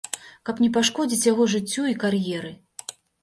Каб не пашкодзіць яго жыццю і кар'еры.